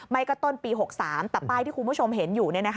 ไม่ก็ต้นปี๖๓แต่ป้ายที่คุณผู้ชมเห็นอยู่